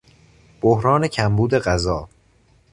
بحران کمبود غذا